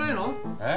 えっ？